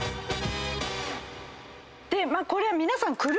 これは皆さん。